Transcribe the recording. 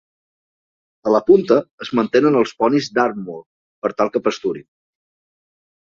A la punta, es mantenen els ponis Dartmoor per tal que pasturin.